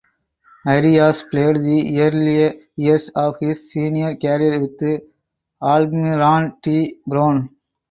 Arias played the early years of his senior career with Almirante Brown.